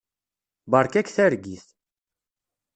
Beṛka-k targit.